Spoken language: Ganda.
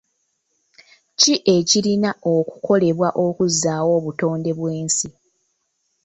ki ekirina okukolebwa okuzzaawo obutonde bw'ensi?